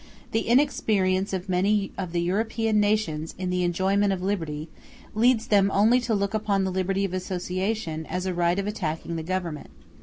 The inexperience of many of the European nations in the enjoyment of liberty leads them only to look upon the liberty of association as a right of attacking the Government.